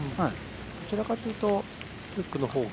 どちらかというとフックのほうが。